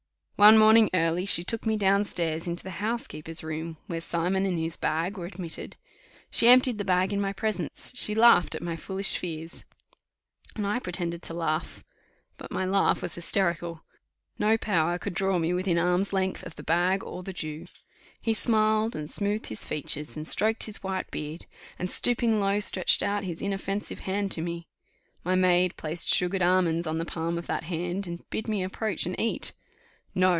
One morning early, she took me down stairs into the housekeeper's room, where Simon and his bag were admitted; she emptied the bag in my presence, she laughed at my foolish fears, and I pretended to laugh, but my laugh was hysterical. No power could draw me within arm's length of the bag or the Jew. He smiled and smoothed his features, and stroked his white beard, and, stooping low, stretched out his inoffensive hand to me; my maid placed sugared almonds on the palm of that hand, and bid me approach and eat. No!